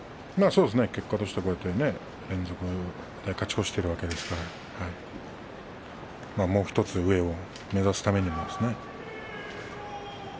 結果として連続勝ち越ししているわけですからもう１つ上を目指すためにも。